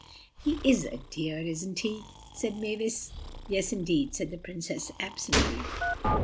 "He is a dear, isn't he?" said Mavis. "Yes, indeed," said the Princess absently.